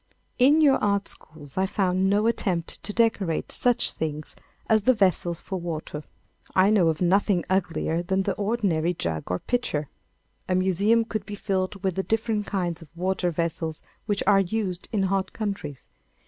In your art schools I found no attempt to decorate such things as the vessels for water. I know of nothing uglier than the ordinary jug or pitcher. A museum could be filled with the different kinds of water vessels which are used in hot countries.